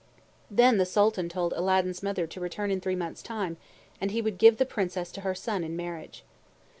Then the Sultan told Aladdin's mother to return in three months' time, and he would give the Princess to her son in marriage.